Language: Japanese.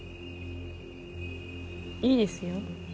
いいですよ。